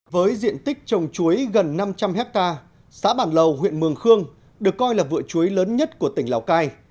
với diện tích trồng chuối gần năm trăm linh hectare xã bản lầu huyện mường khương được coi là vựa chuối lớn nhất của tỉnh lào cai